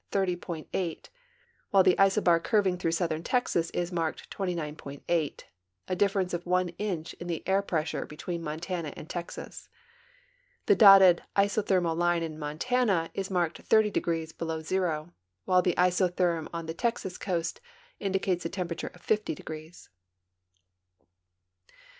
8, while the isobar curving through southern Texas is marked 29.8, a diff'erence of one inch in the air pressure between Mon tana and Texas. The dotted isothermal line in Montana is marked 30 degrees below zero, while the isotherm on the Texas coast indicates a temperature of 50 degrees.